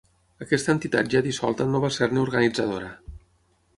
Aquesta entitat ja dissolta no va ser-ne organitzadora.